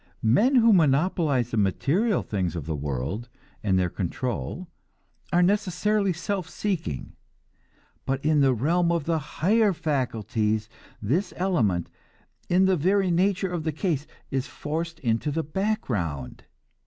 Men who monopolize the material things of the world and their control are necessarily self seeking; but in the realm of the higher faculties this element, in the very nature of the case, is forced into the background.